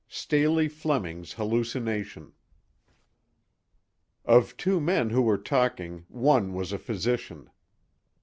STALEY FLEMING'S HALLUCINATION OF two men who were talking one was a physician.